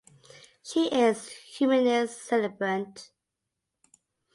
She is a humanist celebrant.